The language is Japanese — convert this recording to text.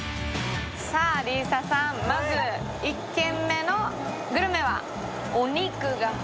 さあ、里依紗さん、まず１軒目のグルメは？